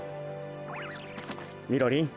みろりん。